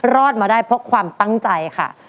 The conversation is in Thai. รอดมาได้เพราะความตั้งใจค่ะ